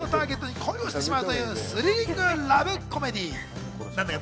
殺しのターゲットに恋をしてしまうというスリリングラブコメディー。